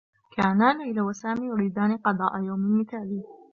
كانا ليلى و سامي يريدان قضاء يوم مثالي.